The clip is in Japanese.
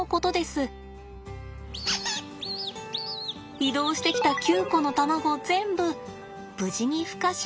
移動してきた９個の卵全部無事に孵化しました。